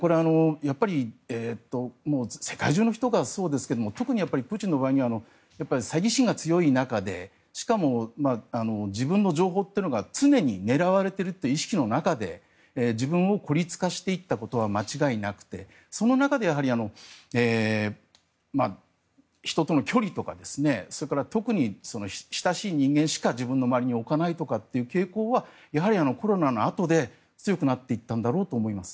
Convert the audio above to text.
やっぱり世界中の人がそうですが特にプーチンの場合はさいぎ心が強い中でしかも、自分の情報というのが常に狙われているという意識の中で自分を孤立化していったことは間違いなくてその中で人との距離とかそれから、特に親しい人間しか自分の周りに置かないとかっていう傾向はやはりコロナのあとで強くなっていったんだろうと思います。